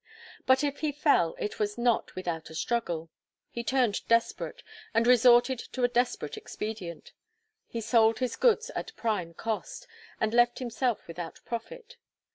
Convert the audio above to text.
But if he fell, it was not without a struggle. He turned desperate, and resorted to a desperate expedient; he sold his goods at prime cost, and left himself without profit.